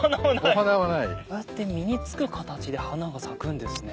こうやって実に付く形で花が咲くんですね。